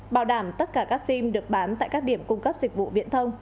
bảo đảm tất cả các sim được bán tại các điểm cung cấp dịch vụ viễn thông